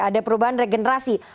ada perubahan regenerasi